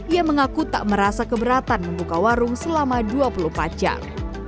ia mengaku tak merasa keberatan membuka warung selama dua puluh empat jam